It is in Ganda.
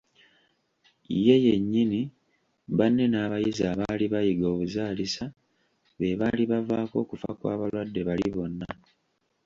Ye yennyini, banne, n’abayizi abaali bayiga obuzaalisa be baali bavaako okufa kw’abalwadde bali bonna.